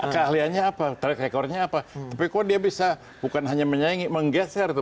keahliannya apa track recordnya apa tapi kok dia bisa bukan hanya menyaingi menggeser tuh